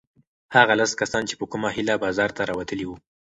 هغه لس کسان چې په کومه هیله بازار ته راوتلي وو؟